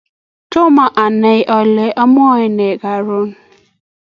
Tomo anay kole amwae nee karon